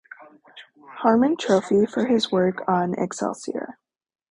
Harmon Trophy for his work on Excelsior.